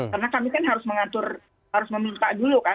karena kami kan harus mengatur harus meminta dulu kan